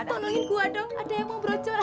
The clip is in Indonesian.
tolongin gue dong ada yang mau brocor